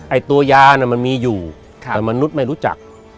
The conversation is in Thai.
ไอ้ตัวยาน่ะมันมีอยู่แต่มนุษย์ไม่รู้จัก